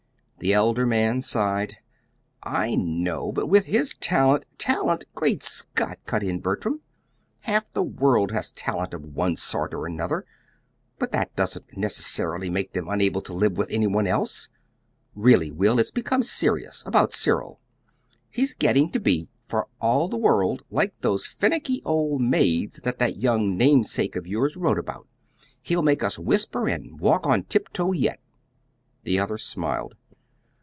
The elder man sighed. "I know, but with his talent " "'Talent'! Great Scott!" cut in Bertram. "Half the world has talent of one sort or another; but that doesn't necessarily make them unable to live with any one else! Really, Will, it's becoming serious about Cyril. He's getting to be, for all the world, like those finicky old maids that that young namesake of yours wrote about. He'll make us whisper and walk on tiptoe yet!" The other smiled.